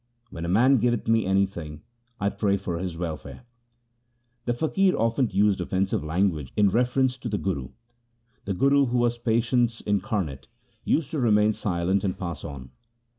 When a man giveth me anything I pray for his welfare.' The faqir often used such offensive language in reference to the Guru. The Guru, who was patience incarnate, used to remain silent and pass on.